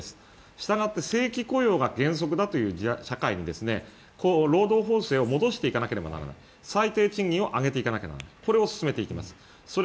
したがって、正規雇用が原則だという社会に労働法制を戻していかなければならない最低賃金を上げていかなければならないこれを進めていきます。